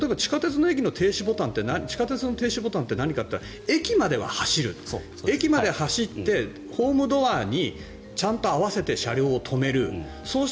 そうすると、地下鉄の停止ボタンって何かと言ったら駅までは走る、駅まで走ってホームドアにちゃんと合わせて車両を止める。